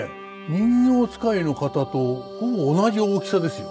人形遣いの方とほぼ同じ大きさですよ。